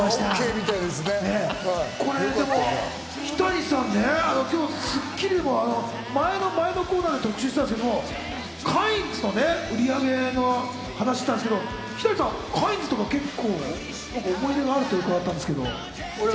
日谷さんね、今日『スッキリ』も前の前のコーナーで特集したんですけどカインズのね売上の話してたんですけど、日谷さん、カインズとか結構思い入れがあると伺ったんですが。